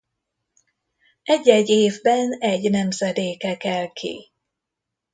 Egy-egy évben egy nemzedéke kel ki.